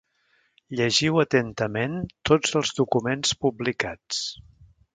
Llegiu atentament tots els documents publicats.